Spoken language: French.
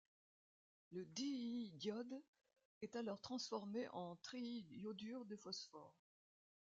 Le diidode est alors transformé ' en triiodure de phosphore.